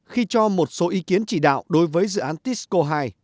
khi cho một số ý kiến chỉ đạo đối với dự án tisco hai